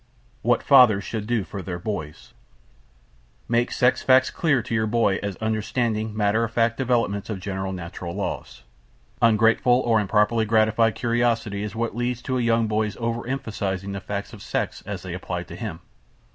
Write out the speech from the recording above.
WHAT FATHERS SHOULD DO FOR THEIR BOYS Make sex facts clear to your boy as interesting, matter of fact developments of general natural laws. Ungratified or improperly gratified curiosity is what leads to a young boy's overemphasizing the facts of sex as they apply to him.